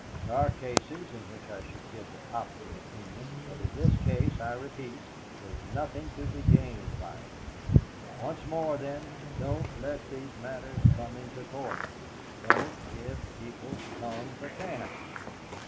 There are cases in which I should give the opposite opinion. But in this case, I repeat, there's nothing to be gained by it. Once more, then, don't let these matters come into court. Don't give people's tongues a chance.